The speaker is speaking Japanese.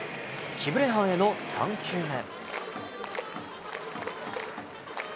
キブレハンへの３球目。